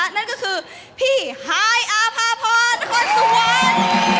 นั่นก็คือพี่ฮายอาภาพรคนสวน